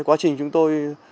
quá trình chúng tôi